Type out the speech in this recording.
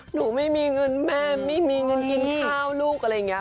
หนูไม่มีเงินแม่ไม่มีเงินกินข้าวลูกอะไรอย่างนี้